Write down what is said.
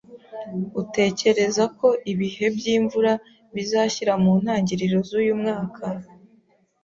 Utekereza ko ibihe by'imvura bizashyira mu ntangiriro z'uyu mwaka?